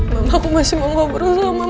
mama aku masih mau berbicara sama nino